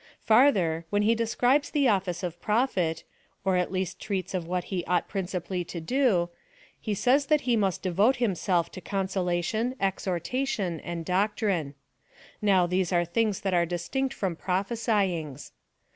Farther, when he describes the office of Prophet, or at least treats of what he ought principally to do, he says that he must devote himself to consolation, exhortation, and doctrine. Now these are things that are distinct from prophesyings.